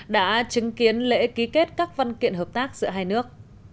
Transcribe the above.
đã chứng kiến lễ ký kết các văn kiện hợp tác giữa hai nước